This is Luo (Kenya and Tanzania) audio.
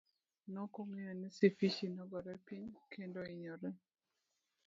Nokongeyo ni Sifichi nogore piny kendo ohinyore.